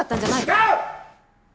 違う！